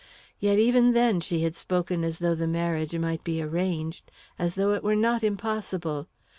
Yet, even then, she had spoken as though the marriage might be arranged, as though it were not impossible!